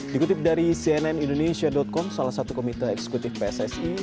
dikutip dari cnn indonesia com salah satu komite eksekutif pssi